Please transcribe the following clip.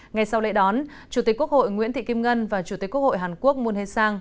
ngay sau lễ đón chủ tịch quốc hội nguyễn thị kim ngân và chủ tịch quốc hội hàn quốc moon hee sang